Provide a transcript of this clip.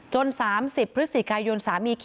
จนสามสิบพฤษฎิกายยนต์สามี